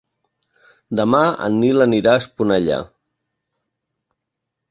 Demà en Nil anirà a Esponellà.